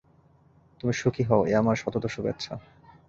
তুমি সুখী হও, এই আমার সতত শুভেচ্ছা।